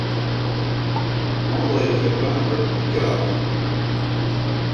André Crépin est picard.